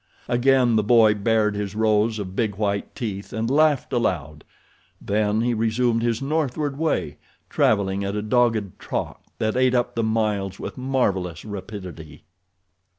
Again the boy bared his rows of big, white teeth and laughed aloud. Then he resumed his northward way, traveling at a dogged trot that ate up the miles with marvelous rapidity.